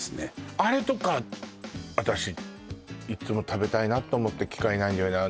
あれとか私いつも食べたいなと思って機会ないんだよね